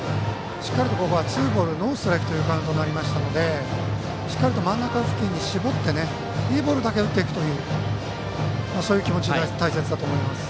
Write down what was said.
しっかりと、ツーボールノーストライクというカウントになりましたのでしっかりと真ん中付近に絞っていいボールだけ打っていくという気持ちが大切だと思います。